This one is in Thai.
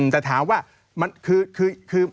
แต่ถามว่ามัน